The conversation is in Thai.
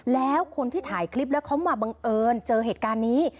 แล้วคนที่ถ่ายคลิปแล้วเขามาบังเอิญเจอเหตุการณ์นี้